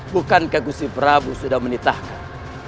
bukankah gusi prabu sudah menitahkan